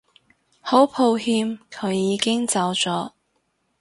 好抱歉佢已經走咗